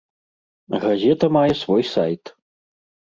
Газета мае свой сайт.